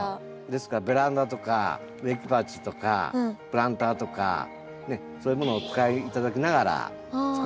ですからベランダとか植木鉢とかプランターとかねそういうものをお使い頂きながら作ることもできます。